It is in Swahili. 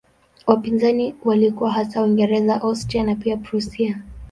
Wapinzani walikuwa hasa Uingereza, Austria na pia Prussia.